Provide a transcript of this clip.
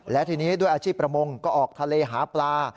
และทีนี้ด้วยอาชีพประมงก็ออกทะเลหาปลา